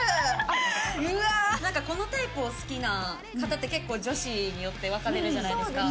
なんかこのタイプを好きな方って結構女子によって分かれるじゃないですか。